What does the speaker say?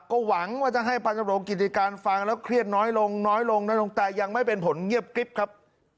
ก็หวังว่าจะให้พันธบรวกิติการฟังแล้วเครียดน้อยลงน้อยลงนะลงแต่ยังไม่เป็นผลเงียบกริ๊บครับ